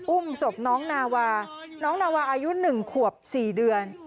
อุ้มศพน้องนาวาน้องนาวาอายุ๑ขวบ๔เดือน